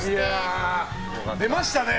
出ましたね！